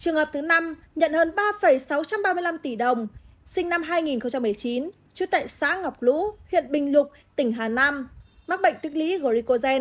trường hợp thứ năm nhận hơn ba sáu trăm ba mươi năm tỷ đồng sinh năm hai nghìn một mươi chín trú tại xã ngọc lũ huyện bình lục tỉnh hà nam mắc bệnh tích lũy grecoen